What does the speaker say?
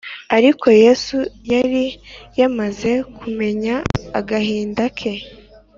Ariko Yesu yari yamaze kumenya agahinda ke